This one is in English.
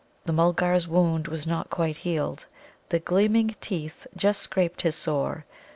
The Mulgar's wound was not quite healed. The gleaming teeth just scraped his sore.